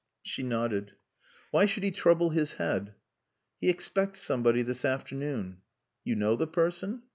She nodded. "Why should he trouble his head?" "He expects somebody this afternoon." "You know the person?"